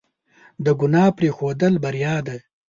د ګناه پرېښودل بریا ده.